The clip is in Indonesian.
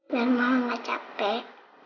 biar mama gak capek